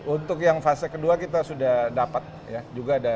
untuk yang fase kedua kita sudah dapat ya